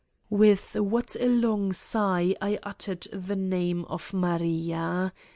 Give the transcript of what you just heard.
With what a long sigh I uttered the name of Maria! .